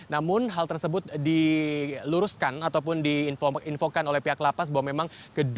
namun hal tersebut diluruskan ataupun diinfokan oleh pihak lapas bahwa memang